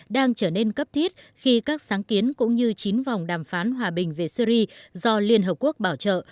đang trở nên cấp thiết khi các sáng kiến cũng như chín vòng đàm phán hòa bình về syri do liên hợp quốc bảo trợ